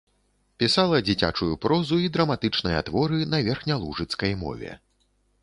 Пісала дзіцячую прозу і драматычныя творы на верхнялужыцкай мове.